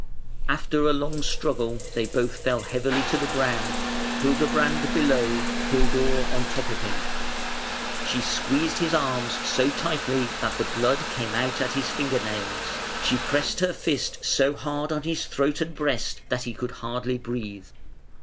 After a long struggle they both fell heavily to the ground, Hildebrand below, Hildur on top of him. She squeezed his arms so tightly that the blood came out at his finger nails; she pressed her fist so hard on his throat and breast that he could hardly breathe.